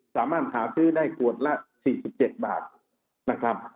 สามารถหาซื้อได้กวดละ๔๗บาท